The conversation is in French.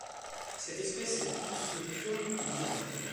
Cette espèce est plus nocturne que diurne.